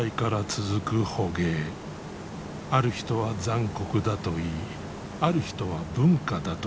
ある人は残酷だといいある人は文化だという。